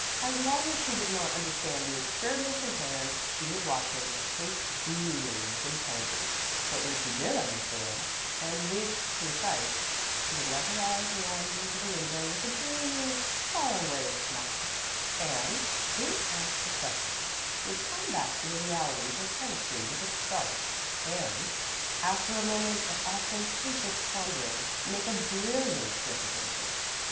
As long as she did not understand the experiment in hand, she would watch him with a face beaming with intelligence; but when she did understand, and wished to recite, she would let her eyes wander to the window with a dreamy, far away smile, and, being asked a question, would come back to the realities of chemistry with a start, and, after a moment of ostentatious pondering, make a brilliant recitation.